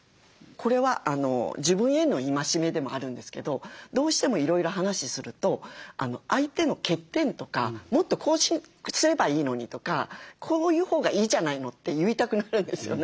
これは自分への戒めでもあるんですけどどうしてもいろいろ話すると相手の欠点とか「もっとこうすればいいのに」とか「こういうほうがいいじゃないの」って言いたくなるんですよね。